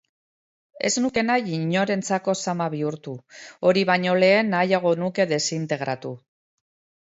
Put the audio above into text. Ez nuke nahi inorentzako zama bihurtu; hori baino lehen nahiago nuke desintegratu.